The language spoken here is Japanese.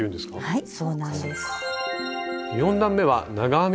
はい。